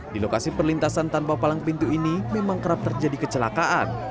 di lokasi perlintasan tanpa palang pintu ini memang kerap terjadi kecelakaan